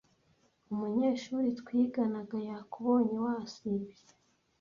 umunyeshuri twiganaga yakubonye wasibye